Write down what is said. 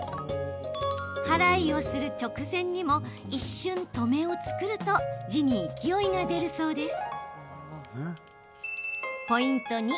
はらいをする直前にも一瞬、止めを作ると字に勢いが出るそうです。